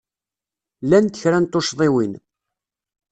Llant kra n tuccḍiwin.